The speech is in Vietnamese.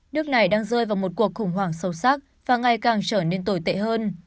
nước này đang rơi vào một cuộc khủng hoảng sâu sắc và ngày càng trở nên tồi tệ hơn